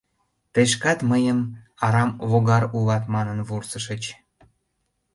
Тый шкат мыйым арам логар улат манын вурсышыч.